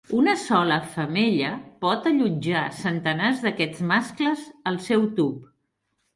Una sola femella pot allotjar centenars d'aquests mascles al seu tub.